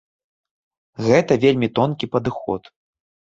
Гэта вельмі тонкі падыход.